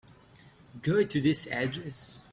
Go to this address.